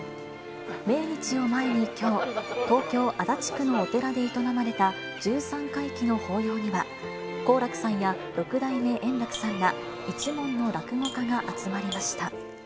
命日を前にきょう、東京・足立区のお寺で営まれた十三回忌の法要には、好楽さんや六代目円楽さんら一門の落語家が集まりました。